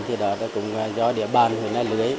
thì đó cũng là do địa bàn hồi nay lưới